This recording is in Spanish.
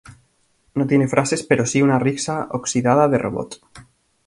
No tiene frases pero sí una risa oxidada de robot.